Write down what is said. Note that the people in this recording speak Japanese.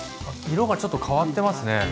色がちょっと変わってますね。